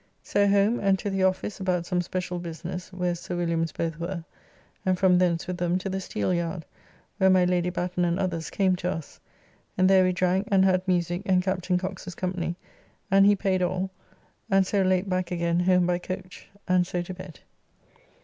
So home and to the office about some special business, where Sir Williams both were, and from thence with them to the Steelyard, where my Lady Batten and others came to us, and there we drank and had musique and Captain Cox's company, and he paid all, and so late back again home by coach, and so to bed.